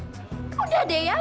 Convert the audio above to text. ibu pengen aku pani